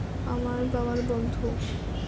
আমার বাবার বন্ধু।